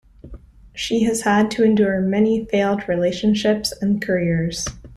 She has had to endure many failed relationships and careers.